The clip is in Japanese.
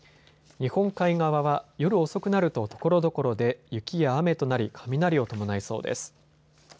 日本海側は夜遅くなるとところどころで雪や雨となり雷を伴いそうです。